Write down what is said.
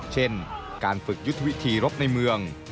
เช่นการฝึกยุทธวิธีรบในเมือง